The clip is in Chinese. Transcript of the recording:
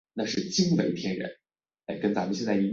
但是发现重联行驶方向后方的机车常有熄火故障。